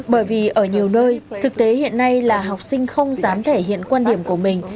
bởi vì ở nhiều nơi thực tế hiện nay là học sinh không dám thể hiện quan điểm của mình